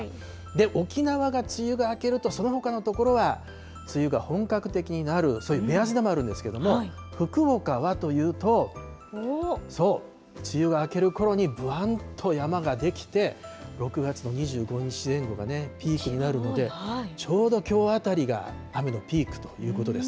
で、沖縄が梅雨が明けると、そのほかの所は、梅雨が本格的になる、そういう目安でもあるんですけれども、福岡はというと、梅雨が明けるころにぶわんと山が出来て、６月の２５日前後がピークになるので、ちょうどきょうあたりが雨のピークということです。